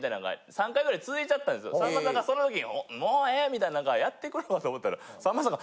さんまさんがその時に「もうええ！」みたいな何かやってくれるかと思ったらさんまさんが。